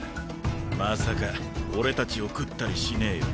まさか俺たちを食ったりしねぇよな？